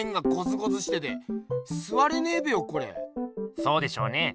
そうでしょうね。